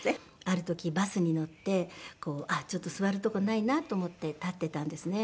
ある時バスに乗ってこうあっちょっと座る所ないなと思って立ってたんですね。